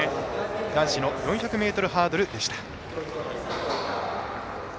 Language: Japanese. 男子の４００ｍハードルでした。